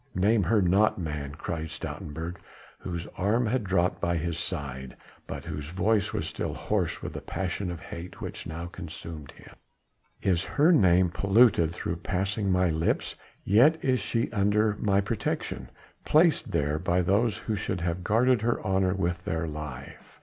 "Name her not, man!" cried Stoutenburg, whose arm had dropped by his side, but whose voice was still hoarse with the passion of hate which now consumed him. "Is her name polluted through passing my lips? Yet is she under my protection, placed there by those who should have guarded her honour with their life."